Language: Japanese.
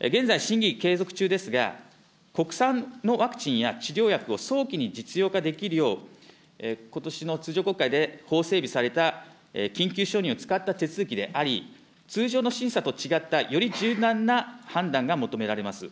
現在、審議継続中ですが、国産のワクチンや治療薬を早期に実用化できるよう、ことしの通常国会で法整備された緊急承認を使った手続きであり、通常の審査と違ったより柔軟な判断が求められます。